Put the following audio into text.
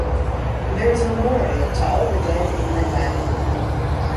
There is a memorial to all the dead in Limbang.